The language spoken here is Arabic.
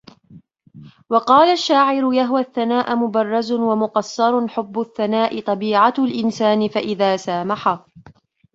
وَقَالَ الشَّاعِرُ يَهْوَى الثَّنَاءَ مُبَرِّزٌ وَمُقَصِّرٌ حُبُّ الثَّنَاءِ طَبِيعَةُ الْإِنْسَانِ فَإِذَا سَامَحَ